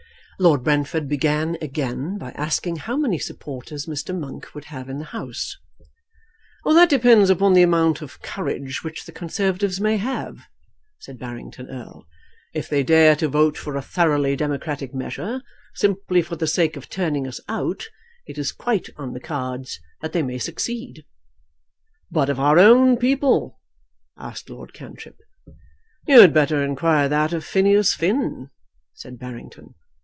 Lord Brentford began again by asking how many supporters Mr. Monk would have in the House. "That depends upon the amount of courage which the Conservatives may have," said Barrington Erle. "If they dare to vote for a thoroughly democratic measure, simply for the sake of turning us out, it is quite on the cards that they may succeed." "But of our own people?" asked Lord Cantrip. "You had better inquire that of Phineas Finn," said Barrington.